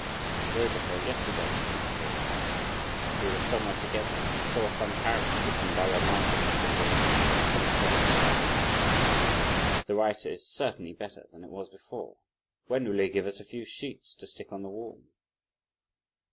"The day before yesterday," smiled all the bystanders, "we were somewhere together and saw some characters written by you, master Secundus, in the composite style. The writing is certainly better than it was before! When will you give us a few sheets to stick on the wall?"